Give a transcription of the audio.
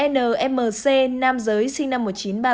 một mươi nmc nam giới sinh năm một nghìn chín trăm ba mươi bảy